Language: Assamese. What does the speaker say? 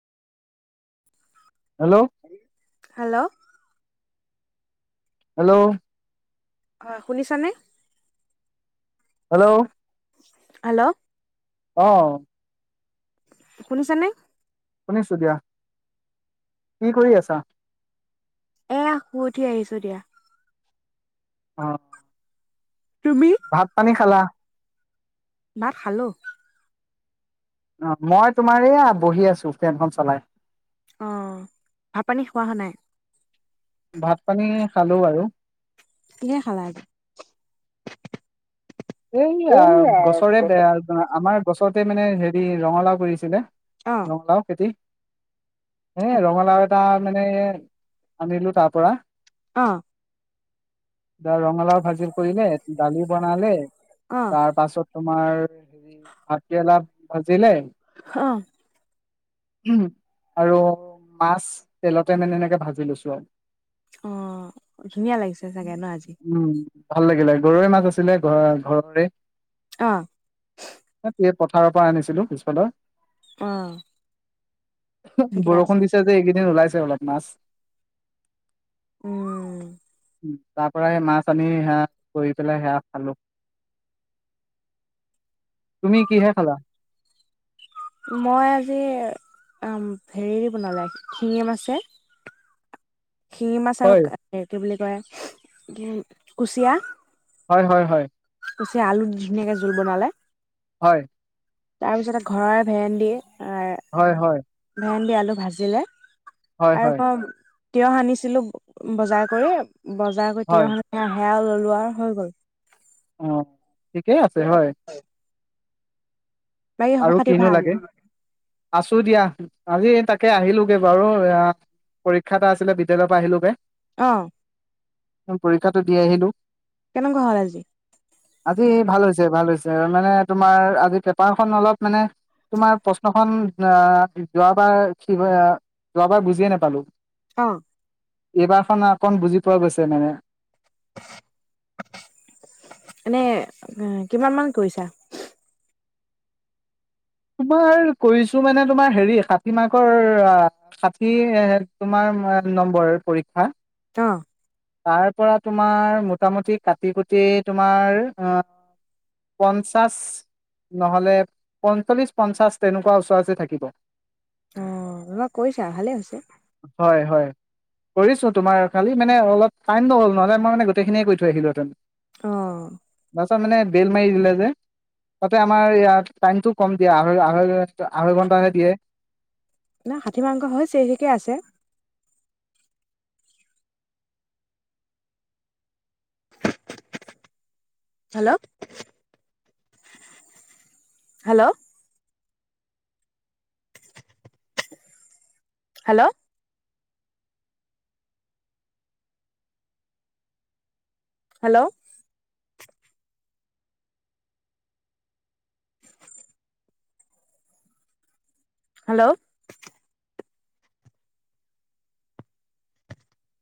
হেল্ল' হেল্ল' হেল্ল' হয় শুনিছানে হেল্ল' হেল্ল' অ শুনিছা নে শুনিছো দিয়া কি কৰি আছা এয়া শুই উঠি আহিছো দিয়া অ তুমি? ভাত পানী খালা ভাত খালো অ মই তোমাৰয়া বহি আছো ফ্ৰেনখন চলাই অ ভাত পানী খোৱা হোৱা নাই ভাত পানী খালো বাৰু কিহে খালা আজি এই অ গছৰে বেয়া আমাৰ গছত তাতে মানে হেৰি ৰঙালাও কৰিছিলে অ ৰঙলাও খেতি এ ৰঙালাও এটা মানে আনিলো তাৰ পৰা অ এ ৰঙালাও ভাজি কৰিলে দালি বনালে তাৰ পাছত তোমাৰ ভাত কেৰেলা ভাজিলে অঁ উম আৰু মাছ তেলতে মানে এনেকে ভাজি লৈছো আৰু অ ধুনীয়া লাগিছে চাগে ন আজি উম, ভাল লাগিলে গৰৰৈ মাছ আছিলে ঘ ঘৰতৰে অ পথাৰৰ পৰা আনিছিলো পিছফালৰ অ ঠিকে আছে। বৰষুণ দিছে যে এইকেইদিন ওলাইছে সেইবিলাক মাছ উম তাৰ পৰাই মাছ আনি সেয়া কৰি পেলাই সেয়া খালো তুমি কিহে খালা মই আজি উম হেৰি বনালে শিঙি মাছে শিঙি মাছ আৰু হয়, কি বুলি তাৰ কুচিয়া হয় হয় হয় কুচিয়া আলু ধুনীয়াকে জোল বনালে হয় তাৰপিছতে ঘৰৰে ভেনন্দি হয় হয় ভাজিলে হয়, আৰু হয়, পাম কিয় আনিছিলো বজাৰ কৰি বজাৰ কৰি হয়, তিনি সপ্তাহ সেয়া ললোৱাআৰু হৈ গ'ল অ ঠিকেই আছে হয় বাকী খবৰ আৰু খাতি কিনো ভাল? লাগে আছো দিয়া আজি তাকে আহিলোগে বাৰু পৰীক্ষা এটা আছিলে বিদ্যয়ালয়ৰ পৰা আহিলোগে আহ পৰীক্ষাটো দি আহিলো কেনেকুৱা হল আজি আজি ভাল হৈছে ভাল হৈছে মানে তোমাৰ আজি পেপাৰ পেপাৰ খন অলপ মানে তোমাৰ প্ৰশ্নখন আহ যোৱাবাৰ কি কয় যোৱাবাৰ বুজিয়ে নাপালো অ এইবাৰ খন অকণ বুজি পোৱা গৈছে মানে এনে কিমান মান কৰিছা তোমাৰ কৈছো মানে তোমাৰ হেৰি ষাঠি মাৰ্কৰ ষাঠি তোমাৰ নম্বৰ পৰীক্ষা অ তাৰ পৰা তোমাৰ মোটামুটি কাটি কুটি তোমাৰ পঞ্চাছ নহলে পন চল্লিছ পঞ্চাছ তেনেকুৱাওচৰা ওচৰি থাকিব আহ এই বাৰ কৰিছা কৈছা ভালে হৈছে হয় হয় কৰিছো তোমাৰ খালি মানে অলপ টাইম নহ'ল নহ'লে মই মানে গোটেইখিনিয়ে কৰি থৈ আহিলোহেতেনঁ অ', পাছত মানে বেল মাৰি দিলে যে তাতে আমাৰ ইয়াত টাইমতটো কম দিয়া আঢ়ৈ আঢ়ৈ আঢ়ৈ ঘণ্টাহে দিয়ে না ষাঠি মাংস হৈ চিৰিকিকে আছে hello hello hello hello [unintelligible] hello